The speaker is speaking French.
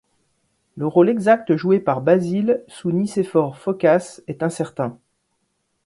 Le rôle exact joué par Basile sous Nicéphore Phocas est incertain.